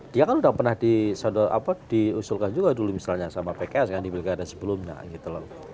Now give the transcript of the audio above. dia kan udah pernah diusulkan juga dulu misalnya sama pks kan di pilkada sebelumnya gitu loh